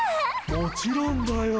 もちろんだよ。